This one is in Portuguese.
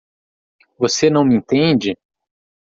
Você não me entende?